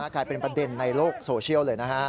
กลายเป็นประเด็นในโลกโซเชียลเลยนะฮะ